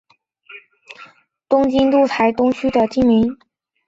日本堤是东京都台东区的町名。